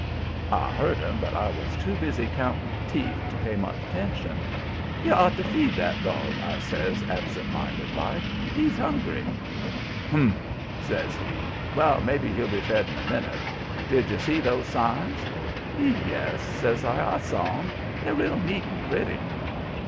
"I heard him, but I was too busy counting teeth to pay much attention. 'You ought to feed that dog,' I says, absent minded like. 'He's hungry.' "'Humph!' says he. 'Well, maybe he'll be fed in a minute. Did you see those signs?' "'Yes,' says I; 'I saw 'em. They're real neat and pretty.'